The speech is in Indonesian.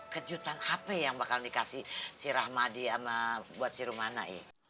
kejutan apa yang bakal dikasih si rahmadi buat si rumana ya